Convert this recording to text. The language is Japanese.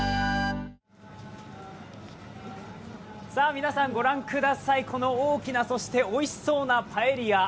皆さん、ご覧ください、この大きな、そしておいしそうなパエリア。